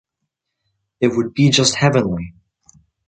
It would be just heavenly!